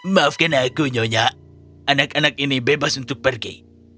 maafkan aku nyonya anak anak ini bebas untuk pergi